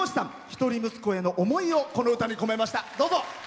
一人息子への思いをこの歌に込めました。